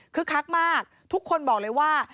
คือคักมากทุกคนบอกเลยว่า